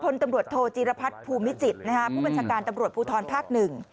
คนตำรวจโทจีรพรรดิภูมิจิตรผู้บัญชาการตำรวจภูทรภาค๑